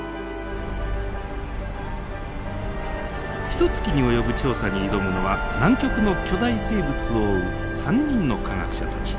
ひとつきに及ぶ調査に挑むのは南極の巨大生物を追う３人の科学者たち。